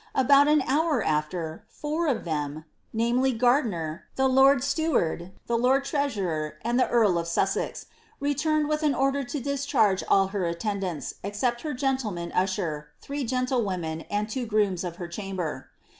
About an boor aAer, four of them — namely, Gardiner, the lord steward, the lord treasurer, and the earl of Sussex — returned with an order to discharge ill her attendants, except her gentleman usher, three gentlewomen, and two grooms of her chamber.'